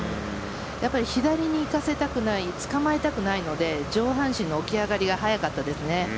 やっぱり左に行かせたくないつかまえたくないので上半身の起き上がりが早かったですね。